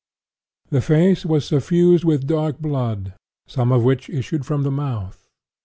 The face was suffused with dark blood, some of which issued from the mouth.